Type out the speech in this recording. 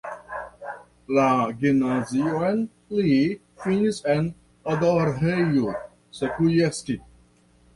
La gimnazion li finis en Odorheiu Secuiesc.